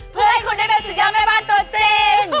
เพื่อให้คุณได้เป็นสุดยอดแม่บ้านตัวจริง